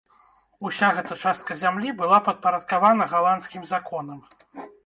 Уся гэта частка зямлі была падпарадкавана галандскім законам.